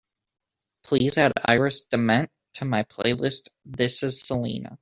Please add Iris DeMent to my playlist this is selena